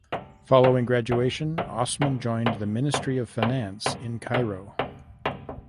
Following graduation Osman joined the ministry of finance in Cairo.